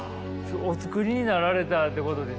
お作りになられたってことですか？